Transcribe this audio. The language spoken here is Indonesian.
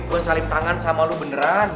gue saling tangan sama lo beneran